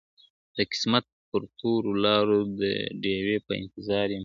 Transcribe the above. د قسمت پر تورو لارو د ډېوې په انتظار یم `